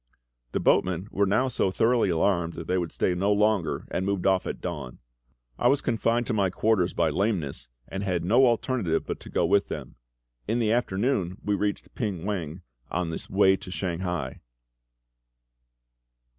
The boatmen were now so thoroughly alarmed that they would stay no longer, and moved off at dawn. I was confined to my quarters by lameness, and had no alternative but to go with them. In the afternoon we reached Ping wang, on the way to Shanghai.